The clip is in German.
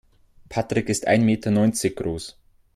Patrick ist ein Meter neunzig groß.